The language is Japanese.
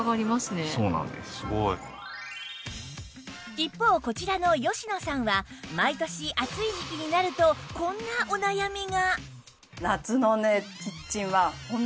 一方こちらの吉野さんは毎年暑い時季になるとこんなお悩みが